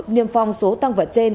niêm phong số tăng vật trên